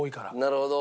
なるほど。